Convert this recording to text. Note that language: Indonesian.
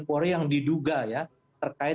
korban yang diduga terkait